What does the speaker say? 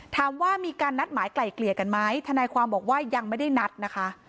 ถามว่ามีการนัดหมายไกลเกลี่ยกันไหมทนายความบอกว่ายังไม่ได้นัดนะคะ